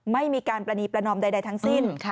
ไม่มีการปรณีประนอมใดทั้งสิ้น